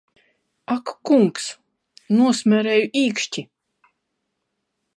Ak kungs, nosmērēju īkšķi!